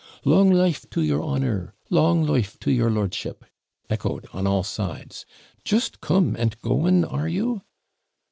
'Long life to your honour! Long life to your lordship!' echoed on all sides. 'Just come, and going, are you?'